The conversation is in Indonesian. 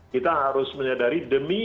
kita harus menyadari